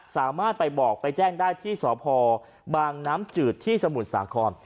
สามารถไปบอกไปแจ้งได้ที่สพบางน้ำจืดที่สมุทรสาคร